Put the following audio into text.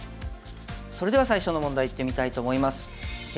それでは最初の問題いってみたいと思います。